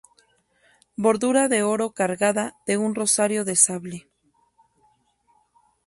Bordura de oro cargada de un rosario de sable.